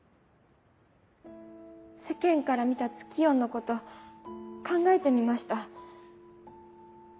世間から見たツキヨンのこと考えてみました。